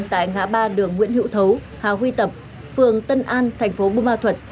tại ngã ba đường nguyễn hữu thấu hà huy tập phường tân an thành phố bù ma thuật